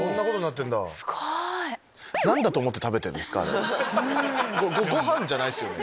すごい！ご飯じゃないっすよね。